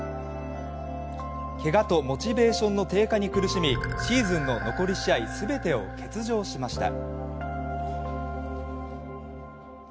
けがとモチベーションの低下に苦しみシーズンの残り試合全てを欠場しました。